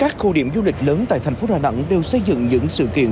các khu điểm du lịch lớn tại thành phố đà nẵng đều xây dựng những sự kiện